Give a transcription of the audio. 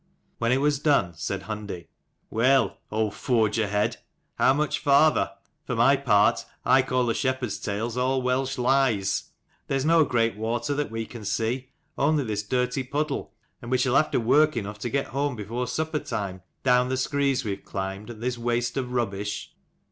When it was done, said Hundi, "Well, old forge ahead, how much farther? For my part I call the shepherds' tales all Welsh lies. There is no great water that we can see, only this dirty puddle : and we shall have work enough to get home before supper time, down the screes we have climbed and this waste of rubbish."